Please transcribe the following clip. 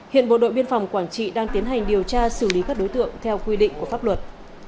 hiện bộ đội biên phòng quảng trị đang tiến hành điều tra xử lý các đối tượng theo quy định của pháp luật